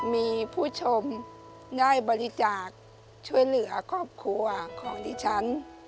มีผู้ชมได้บริจาคช่วยเหลือครอบครัวของดิฉัน